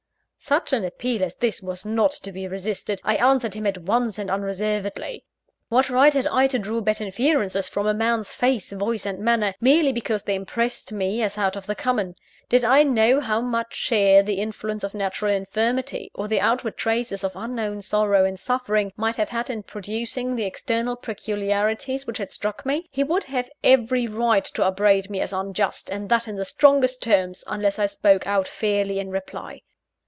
Such an appeal as this was not to be resisted: I answered him at once and unreservedly. What right had I to draw bad inferences from a man's face, voice, and manner, merely because they impressed me, as out of the common? Did I know how much share the influence of natural infirmity, or the outward traces of unknown sorrow and suffering, might have had in producing the external peculiarities which had struck me? He would have every right to upbraid me as unjust and that in the strongest terms unless I spoke out fairly in reply.